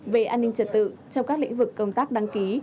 về an ninh trật tự trong các lĩnh vực công tác đăng ký